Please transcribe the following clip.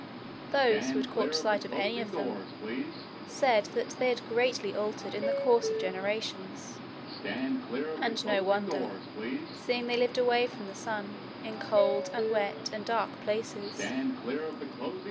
Those who had caught sight of any of them said that they had greatly altered in the course of generations; and no wonder, seeing they lived away from the sun, in cold and wet and dark places.